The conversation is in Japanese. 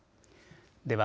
では